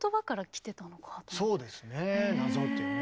そうですね「謎」っていうね。